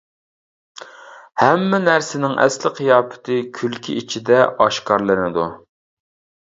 ھەممە نەرسىنىڭ ئەسلىي قىياپىتى كۈلكە ئىچىدە ئاشكارىلىنىدۇ.